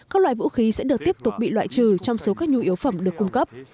các loại vũ khí sẽ được tiếp tục bị loại trừ trong số các nhu yếu phẩm được cung cấp